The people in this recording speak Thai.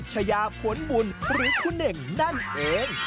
หรือคุณเองนั่นเอง